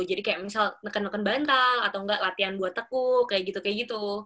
jadi kayak misal neken neken bantal atau nggak latihan buat teku kayak gitu